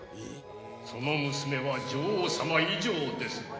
その娘は女王様以上です。